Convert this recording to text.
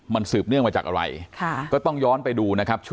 มันสืบเนื่องมาจากอะไรก็ต้องย้อนไปดูนะครับ